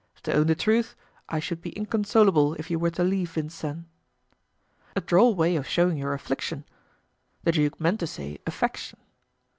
"To own the truth, I should be inconsolable if you were to leave Vincennes." "A droll way of showing your affliction." The duke meant to say "affection."